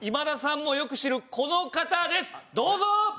どうぞ！